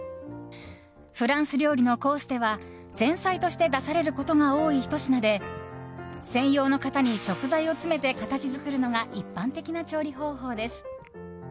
フランス料理のコースでは前菜として出されることが多いひと品で専用の型に食材を詰めて形作るのが一般的な調理方法です。